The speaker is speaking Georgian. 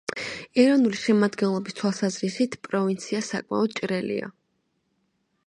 ეროვნული შემადგენლობის თვალსაზრისით, პროვინცია საკმაოდ ჭრელია.